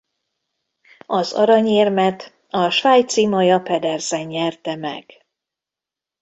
Az aranyérmet a svájci Maya Pedersen nyerte meg.